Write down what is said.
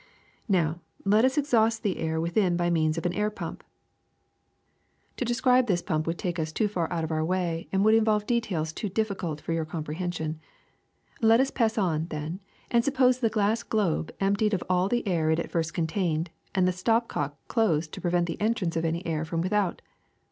*^ Now let us exhaust the air within by means of an air pump. To describe this pump would take us too 370 SOUND S71 far out of our way and would involve details too dif ficult for your comprehension. Let us pass on, then, and suppose the glass globe emptied of all the air it at first contained, and the stop cock closed to pre vent the entrance of any air from without.